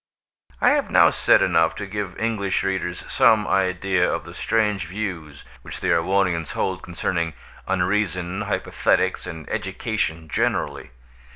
I have now said enough to give English readers some idea of the strange views which the Erewhonians hold concerning unreason, hypothetics, and education generally.